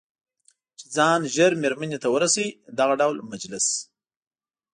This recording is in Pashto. چې ځان ژر مېرمنې ته ورسوي، دغه ډول مجلس.